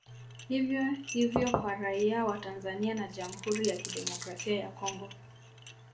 Hivyo hivyo kwa raia wa Tanzania na Jamhuri ya kidemokrasia ya Congo